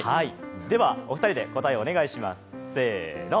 ではお二人で答えをお願いします、せーの。